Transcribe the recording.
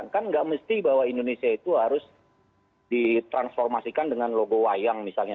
kan nggak mesti bahwa indonesia itu harus ditransformasikan dengan logo wayang misalnya